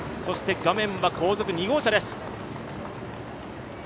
画面は後続２号車です。